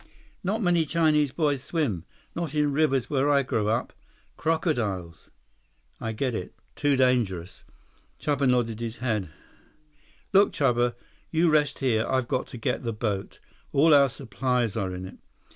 "Not many Chinese boys swim. Not in rivers where I grow up. Crocodiles." "I get it. Too dangerous." Chuba nodded his head. "Look, Chuba. You rest here. I've got to get the boat. All our supplies are in it."